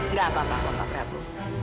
nggak apa apa pak prabu